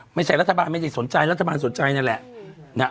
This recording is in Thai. ไม่ใช่รัฐบาลไม่ได้สนใจรัฐบาลสนใจนั่นแหละ